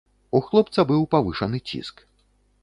У хлопца быў павышаны ціск.